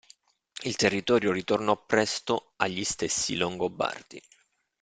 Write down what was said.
Il territorio ritornò presto agli stessi Longobardi.